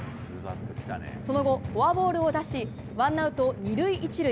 その後、フォアボールを出しワンアウト２塁１塁。